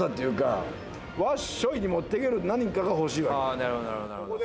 あなるほどなるほどなるほど。